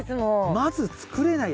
まず作れないよ。